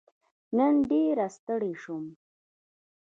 نن ډېر ستړی شوم